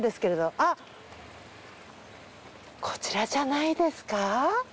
あっこちらじゃないですか？